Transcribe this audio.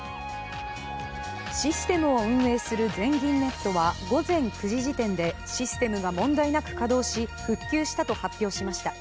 システムを運営する全銀ネットは午前９時時点でシステムが問題なく稼働し、復旧したと発表しました。